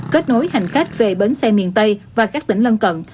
kết nối hành khách về bến xe miền tây và các tỉnh lân cận